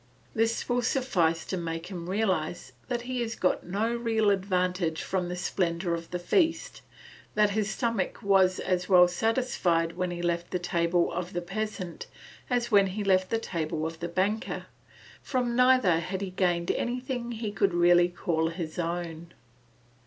This will suffice to make him realise that he has got no real advantage from the splendour of the feast, that his stomach was as well satisfied when he left the table of the peasant, as when he left the table of the banker; from neither had he gained anything he could really call his own.